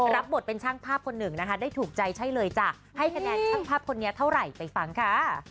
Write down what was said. รับบทเป็นช่างภาพคนหนึ่งนะคะได้ถูกใจใช่เลยจ้ะให้คะแนนช่างภาพคนนี้เท่าไหร่ไปฟังค่ะ